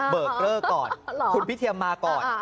เบอร์เกอร์ก่อนคุณพิเทียมมาก่อน